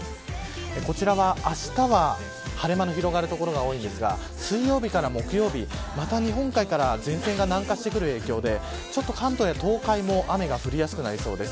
こちらはあしたは晴れ間の広がる所が多いんですが水曜日から木曜日また日本海から前線が南下してくる影響で関東や東海も雨が降りやすくなりそうです。